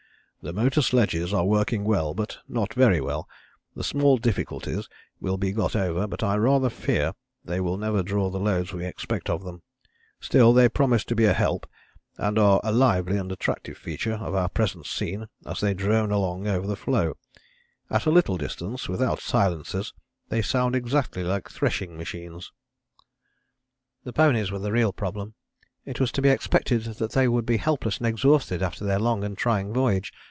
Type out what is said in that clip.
"The motor sledges are working well, but not very well; the small difficulties will be got over, but I rather fear they will never draw the loads we expect of them. Still they promise to be a help, and they are a lively and attractive feature of our present scene as they drone along over the floe. At a little distance, without silencers, they sound exactly like threshing machines." The ponies were the real problem. It was to be expected that they would be helpless and exhausted after their long and trying voyage.